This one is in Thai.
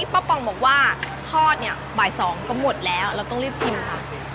ปองบอกว่าทอดเนี่ยบ่าย๒ก็หมดแล้วเราต้องรีบชิมค่ะ